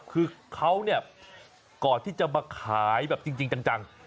คือเขาเนี่ยก่อนที่จะมาขายแบบจริงจัง